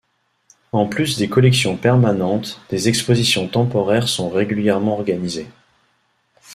En plus des collections permanentes, des expositions temporaires sont régulièrement organisées.